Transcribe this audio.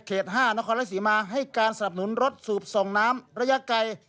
๕นครรัฐศรีมาให้การสนับหนุนรถสูบส่งน้ำระยะไกล